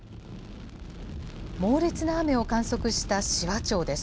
猛烈な雨を観測した紫波町です。